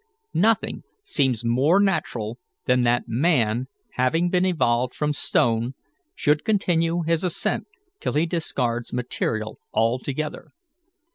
Nothing seems more natural than that man, having been evolved from stone, should continue his ascent till he discards material altogether.